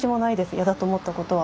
嫌だと思ったことは。